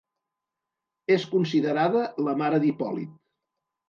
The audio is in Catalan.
És considerada la mare d'Hipòlit.